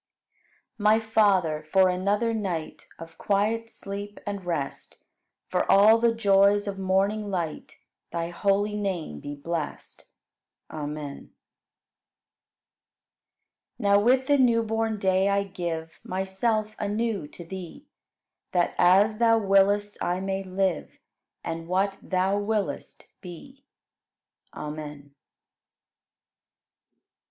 14. My Father, for another night Of quiet sleep and rest. For all the joys of morning light, Thy holy name be blest. Amen. 15. Now with the new born day I give Myself anew to Thee, That as Thou willest, I may live, And what Thou willest, be. Amen.